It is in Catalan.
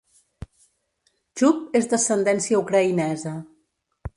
"Chub" és d'ascendència ucraïnesa.